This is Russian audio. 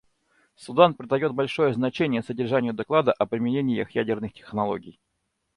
Судан придает большое значение содержанию доклада о применениях ядерных технологий.